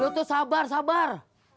lu tuh sabar sabar